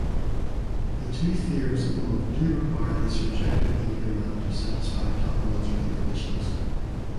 The two theorems above do require the surjective linear map to satisfy topological conditions.